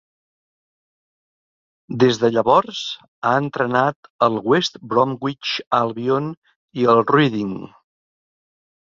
Des de llavors ha entrenat el West Bromwich Albion i el Reading.